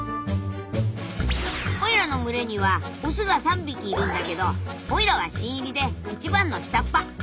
オイラの群れにはオスが３匹いるんだけどオイラは新入りで一番の下っ端。